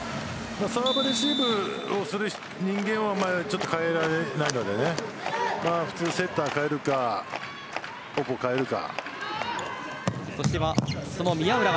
サーブレシーブをする人間は代えられないのでセッターを代えるかオポを代えるか。